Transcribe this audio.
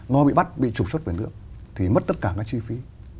nó bị bắt bị trục xuất về nước thì mất tất cả các chi phí